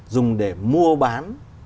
dùng để mua bán